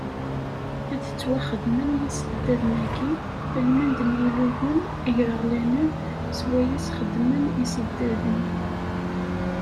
Ad ttwaxdamen yisebddaden-agi, almend n yilugan igreɣlanen swayes xeddmen isebddaden.